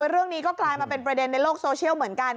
เรื่องนี้ก็กลายมาเป็นประเด็นในโลกโซเชียลเหมือนกัน